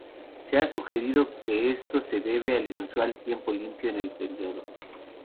Se ha sugerido que esto se deba al inusual tiempo limpio en el periodo.